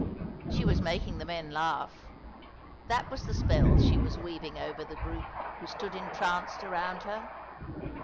She was making the men laugh. That was the spell she was weaving over the group who stood entranced around her.